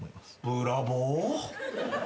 ブラボー。